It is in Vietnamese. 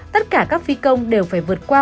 tất cả các phi công đều phải vượt qua